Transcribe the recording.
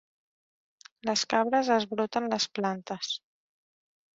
Les cabres esbroten les plantes.